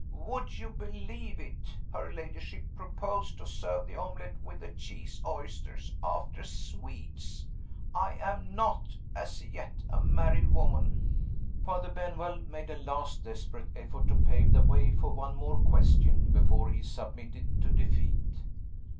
Would you believe it? Her ladyship proposed to serve the omelet with the cheese. Oysters, after sweets! I am not (as yet) a married woman " Father Benwell made a last desperate effort to pave the way for one more question before he submitted to defeat.